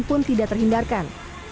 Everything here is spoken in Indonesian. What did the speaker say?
yang tidak terhindarkan